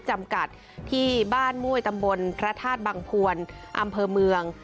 จำกัดที่บ้านม่วยตำบลพระธาตุบังพวนอำเภอเมือง